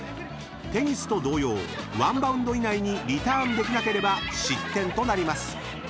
［テニスと同様１バウンド以内にリターンできなければ失点となります］